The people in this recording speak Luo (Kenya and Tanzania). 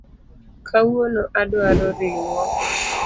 Kawuono adwaro ring’o